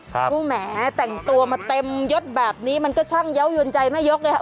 กูแหมแต่งตัวมาเต็มยศแบบนี้มันก็ช่างเยาว์ยนต์ใจไม่ยกอย่างนี้